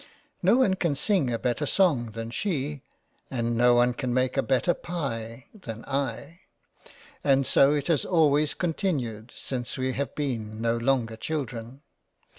No one could sing a better song than she, and no one make a better Pye than I. — And so it has 68 £ LESLEY CASTLE g always continued since we have been no longer children.